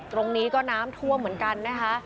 ตรงนี้ก็น้ำท่วมเหมือนกันนะคะ